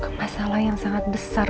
ke masalah yang sangat besar